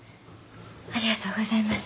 ありがとうございます。